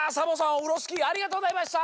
オフロスキーありがとうございました！